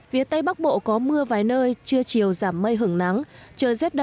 hãy đăng ký kênh để nhận thông tin nhất